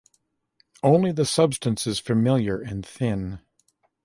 Only the substance is familiar and thin.